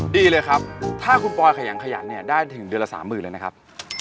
ดีเลยครับถ้าคุณปอยขยังขยันได้ถึงเดือนละ๓หมื่นเลยนะครับ